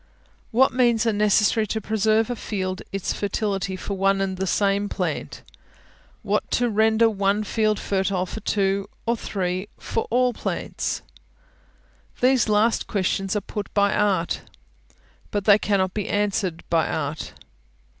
What means are necessary to preserve to a field its fertility for one and the same plant? what to render one field fertile for two, for three, for all plants? These last questions are put by Art, but they cannot be answered by Art.